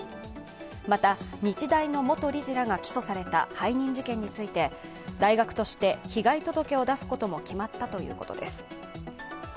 また、日大の元理事らが起訴された背任事件について大学として被害届を出すことも決まったということです。